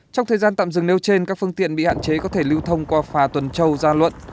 trong thời gian tạm dừng nêu trên các phương tiện bị hạn chế có thể lưu thông qua phà tuần châu gia luận